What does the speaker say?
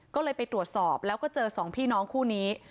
ก็เลยไปตรวจสอบแล้วก็เจอสองพี่น้องคู่นี้